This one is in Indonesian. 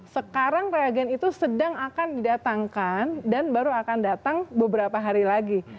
sekarang reagen itu sedang akan didatangkan dan baru akan datang beberapa hari lagi